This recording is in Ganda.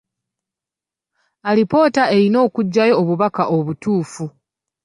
Alipoota erina okuggyayo obubaka obutuufu.